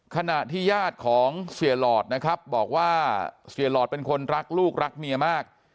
ขณะที่ญาติของเสียหลอดนะครับบอกว่าเสียหลอดเป็นคนรักลูกรักเมียมาก